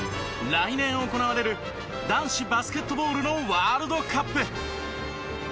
来年行われる男子バスケットボールのワールドカップ！